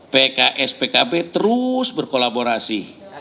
pks pkb terus berkolaborasi